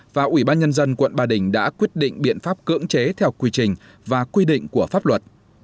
và ubnd tp hà nội đã quyết định biện pháp cưỡng chế theo quy trình và quy định của pháp luật